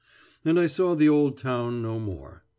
And I saw the old town no more.